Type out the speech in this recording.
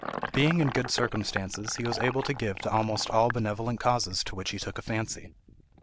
Being in good circumstances, he was able to give to almost all benevolent causes to which he took a fancy.